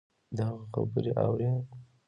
دغـه خبـرې اورې